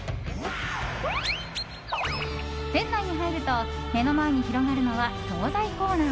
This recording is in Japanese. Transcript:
店内に入ると目の前に広がるのは総菜コーナー。